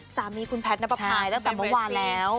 สามีคุณแพทย์น้ำปะปะตั้งแต่เมื่อวานแล้ว